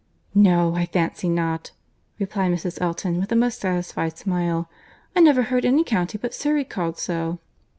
"No, I fancy not," replied Mrs. Elton, with a most satisfied smile. "I never heard any county but Surry called so."